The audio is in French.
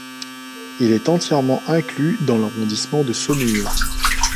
Il est entièrement inclus dans l'arrondissement de Saumur.